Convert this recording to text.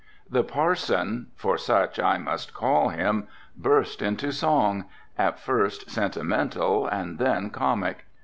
The parson, for such I must call him, burst into song, at first sentimental and then comic.